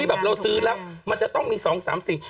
ที่แบบเราซื้อแล้วมันจะต้องมี๒๓สิ่ง